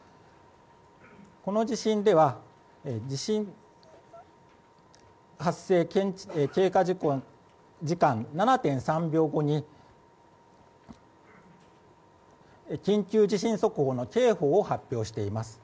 この地震では地震発生経過時間７．３秒後に緊急地震速報の警報を発表しています。